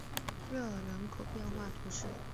热尔人口变化图示